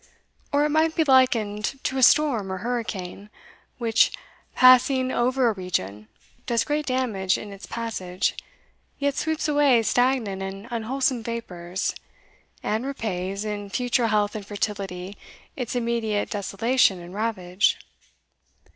Or it might be likened to a storm or hurricane, which, passing over a region, does great damage in its passage, yet sweeps away stagnant and unwholesome vapours, and repays, in future health and fertility, its immediate desolation and ravage."